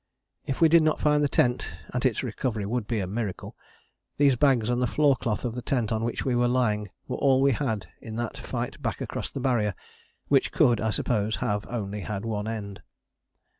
If we did not find the tent (and its recovery would be a miracle) these bags and the floor cloth of the tent on which we were lying were all we had in that fight back across the Barrier which could, I suppose, have only had one end.